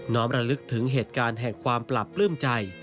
้อมระลึกถึงเหตุการณ์แห่งความปราบปลื้มใจ